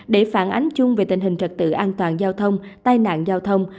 để phản ánh chung về tình hình trật tự an toàn giao thông tai nạn giao thông